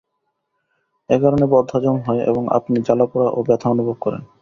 একারণে বদহজম হয় এবং আপনি জ্বালাপোড়া ও ব্যথা অনুভব করেন।